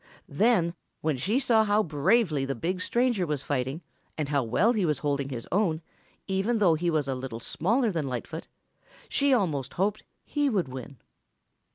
Then, when she saw how bravely the big stranger was fighting and how well he was holding his own, even though he was a little smaller than Lightfoot, she almost hoped he would win.